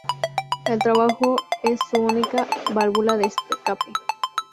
El trabajo es su única válvula de escape.